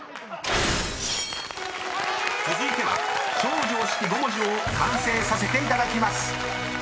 ［続いては超常識５文字を完成させていただきます］